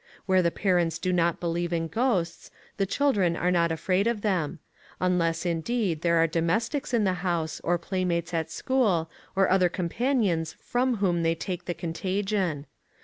Where the parents do not believe in ghosts, the children are not afraid of them; unless, indeed, there are domestics in the house, or playmates at school, or other companions from whom they take the contagion.